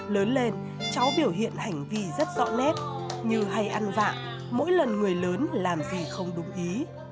lớn lên cháu biểu hiện hành vi rất rõ nét như hay ăn vạ mỗi lần người lớn làm gì không đúng ý